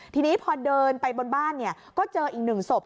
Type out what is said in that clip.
ทีนี้พอเดินไปบนบ้านก็เจออีก๑ศพ